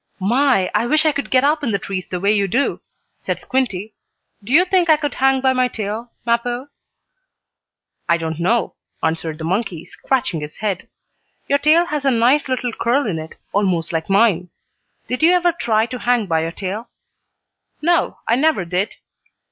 "My, I wish I could get up in the trees the way you do," said Squinty. "Do you think I could hang by my tail, Mappo?" "I don't know," answered the monkey, scratching his head. "Your tail has a nice little curl in it, almost like mine. Did you ever try to hang by your tail?" "No, I never did."